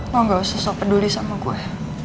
lo gak usah sopet peduli sama gue